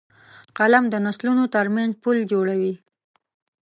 قلم د نسلونو ترمنځ پُل جوړوي